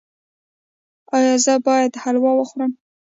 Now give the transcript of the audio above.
ایا زه باید حلوا وخورم؟